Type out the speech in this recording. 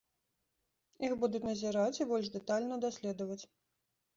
Іх будуць назіраць і больш дэтальна даследаваць.